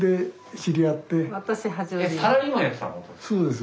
そうです。